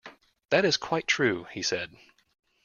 "That is quite true," he said.